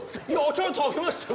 ちゃんとあげましたよ